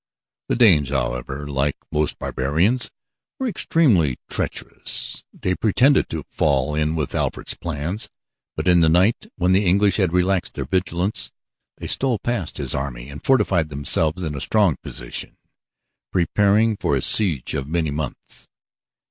The Danes, however, like most barbarians, were extremely treacherous. They pretended to fall in with Alfred's plans but in the night, when the English had relaxed their vigilance, they stole past his army and fortified themselves in a strong position, preparing for a siege of many months.